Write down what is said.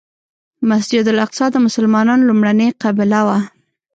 مسجد الاقصی د مسلمانانو لومړنۍ قبله وه.